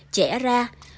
chẻ ra vót